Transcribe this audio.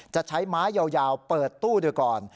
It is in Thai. จะใช้ไม้ยาวเปิดตู้โดยก่อน